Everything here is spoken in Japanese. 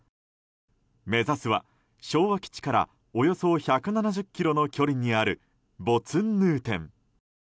目指すは昭和基地からおよそ１７０ｋｍの距離にあるボツンヌーテン。